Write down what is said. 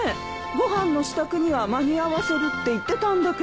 ご飯の支度には間に合わせるって言ってたんだけど。